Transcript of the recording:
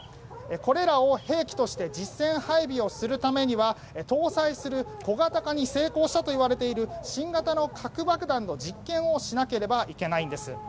これらを兵器として実戦配備をするためには搭載する小型化に成功したといわれている新型の核爆弾の実験をしなければいけないんです。